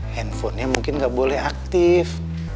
handphonenya mungkin nggak boleh aktif